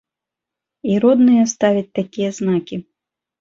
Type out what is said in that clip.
І родныя ставяць такія знакі.